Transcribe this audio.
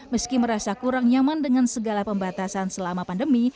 meski merasa kurang nyaman dengan segala pembatasan selama pandemi